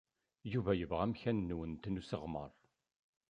Yuba yebɣa amkan-nwent n usseɣmer.